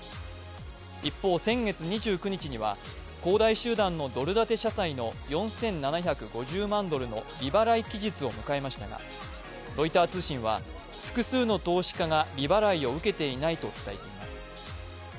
一方、先月２９日には恒大集団のドル建て社債の４７５０万ドルの利払い期日を迎えましたが、ロイター通信は複数の投資家が利払いを受けていないと伝えています。